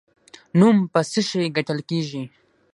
نوم په څه شي ګټل کیږي؟